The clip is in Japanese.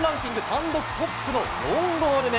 単独トップの４ゴール目。